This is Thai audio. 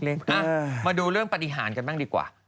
มาดูเรื่องปฏิหารกันบ้างดีกว่า